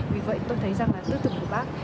vì vậy tôi thấy rằng là tư tưởng của bác